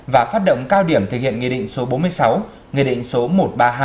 và phát động cao điểm thực hiện nghị định số bốn mươi sáu nghị định số một trăm ba mươi hai